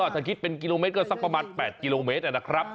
ถ้าคิดเป็นกิโลเมตรก็สักประมาณ๘กิโลเมตรนะครับ